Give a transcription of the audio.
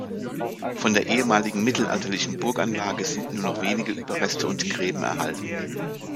Von der ehemaligen mittelalterlichen Burganlage sind nur noch wenige Überreste und Gräben erhalten.